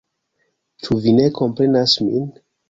Ĉu vi ne komprenas min?